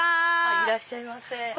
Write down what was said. いらっしゃいませ。